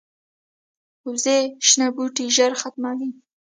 وزې شنه بوټي ژر ختموي